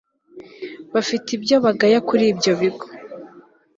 bafite ibyo bagaya kuri ibyo bigo